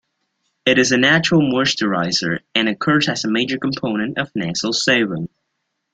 It is a natural moisturizer, and occurs as a major component of nasal sebum.